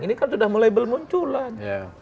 ini kan sudah mulai bermunculan